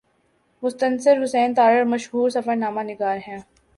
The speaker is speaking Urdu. مستنصر حسین تارڑ مشہور سفرنامہ نگار ہیں